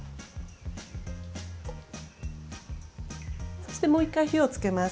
そしてもう一回火をつけます。